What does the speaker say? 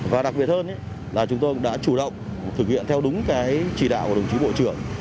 và đặc biệt hơn là chúng tôi cũng đã chủ động thực hiện theo đúng cái chỉ đạo của đồng chí bộ trưởng